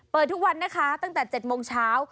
ทุกวันนะคะตั้งแต่๗โมงเช้า